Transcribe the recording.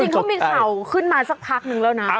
จริงเขามีข่าวขึ้นมาสักพักนึงแล้วนะ